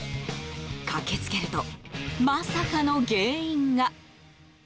駆け付けると、まさかの原因が。